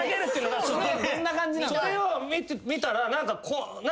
それを見たら何かこう。